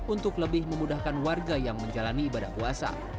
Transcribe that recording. untuk lebih memudahkan warga yang menjalani ibadah puasa